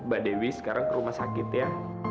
mbak dewi sekarang ke rumah sakit ya